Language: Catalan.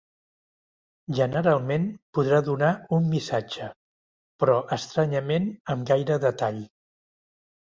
Generalment podrà donar un missatge, però estranyament amb gaire detall.